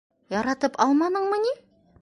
Яратып алманыңмы ни?